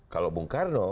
kalau bung karno